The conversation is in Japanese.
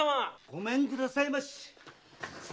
・ごめんくださいまし。